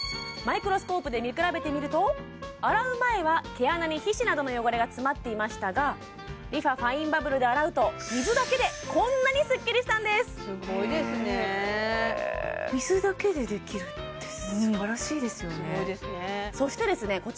マイクロスコープで見比べてみると洗う前は毛穴に皮脂などの汚れが詰まっていましたがＲｅＦａファインバブルで洗うと水だけでこんなにすっきりしたんですすごいですねそしてですね